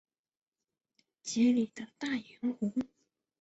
杰里德大盐湖。